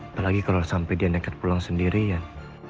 apalagi kalo sampe dia neket pulang sendiri ian